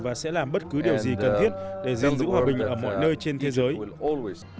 và sẽ làm bất cứ điều gì cần thiết để giam giữ hòa bình của chúng ta